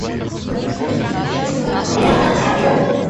Уругвай выступает за реформирование Организации.